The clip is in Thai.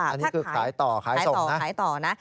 อันนี้คือขายต่อขายส่งนะ